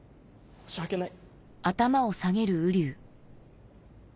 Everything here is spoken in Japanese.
申し訳ない。